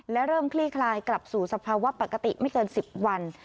และเริ่มคลี่คลายกลับสู่สภาวะปกติไม่เกิน๑๐วัน